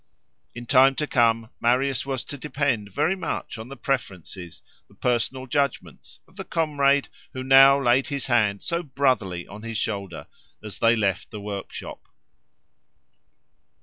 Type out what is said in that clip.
In time to come, Marius was to depend very much on the preferences, the personal judgments, of the comrade who now laid his hand so brotherly on his shoulder, as they left the workshop.